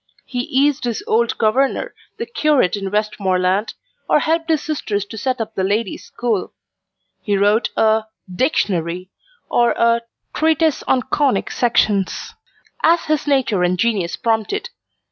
He eased his old governor, the curate in Westmoreland, or helped his sisters to set up the Ladies' School. He wrote a 'Dictionary,' or a 'Treatise on Conic Sections,' as his nature and genius prompted.